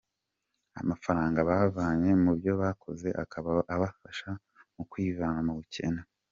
Amafaranga bavanye mu byo bakoze akaba abafasha mu kwivana mu bukene.